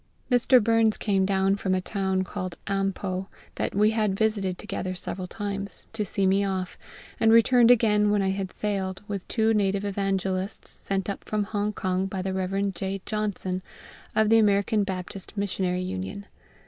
Mr. Burns came down from a town called Am po, that we had visited together several times, to see me off, and returned again when I had sailed, with two native evangelists sent up from Hong kong by the Rev. J. Johnson, of the American Baptist Missionary Union.